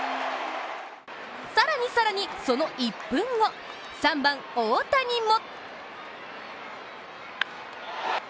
更に更に、その１分後、３番・大谷も。